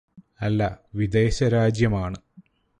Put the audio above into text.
അല്ല വിദേശ രാജ്യമാണ്